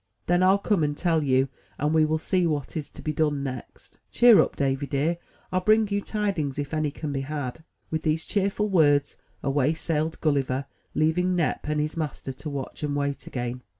Then I'll come and tell you, and we will see what is to be done next. Cheer up, Davy dear: I'll bring you tidings, if any can be had." With these cheerful words, away sailed Gulliver, leaving Nep and his master to watch and wait again.